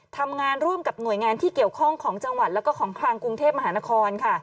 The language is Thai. ทำงานร่วมกับหน่วยงานที่เกี่ยวข้องของจังหวัดแล้วก็ของคลังกรุงเทพมหานครค่ะ